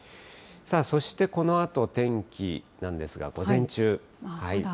そしてこのあと、天気なんですが、午前中。